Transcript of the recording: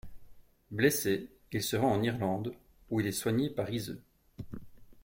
Blessé, il se rend en Irlande où il est soigné par Iseult.